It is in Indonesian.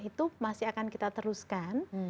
itu masih akan kita teruskan